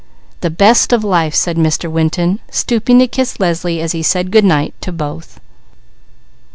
"The best of life," said Mr. Winton, stooping to kiss Leslie as he said good night to both.